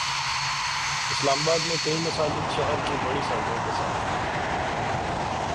اسلام آباد میں کئی مساجد شہرکی بڑی سڑکوں کے ساتھ ہیں۔